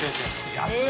安い！